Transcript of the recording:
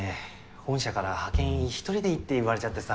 本社から派遣１人でいいって言われちゃってさ。